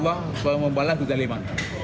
kalau mau balas sudah lima